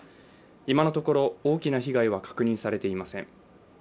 今のところ大きな被害は確認されていません。